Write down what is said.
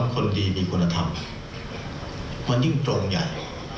คนดีมีคุณธรรมคนยิ่งโจรงใหญ่